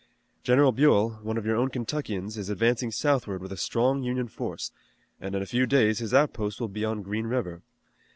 General Buell, one of your own Kentuckians, is advancing southward with a strong Union force, and in a few days his outposts will be on Green River.